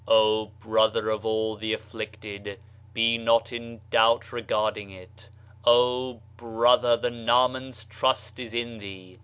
O brother of all the afflicted, Be not in doubt regarding it; O brother, the Naaman's trust is in thee.